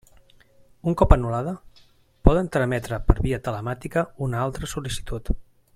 Un cop anul·lada, poden trametre per via telemàtica una altra sol·licitud.